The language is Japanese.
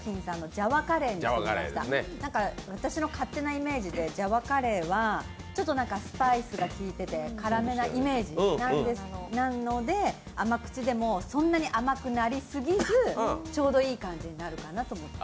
私の勝手なイメージでジャワカレーはちょっとスパイスが効いてて辛めなイメージなので、甘口でもそんなに甘くなりすぎず、ちょうどいい感じになるかなと思って。